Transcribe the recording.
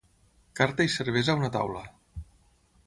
Carta i cervesa a una taula.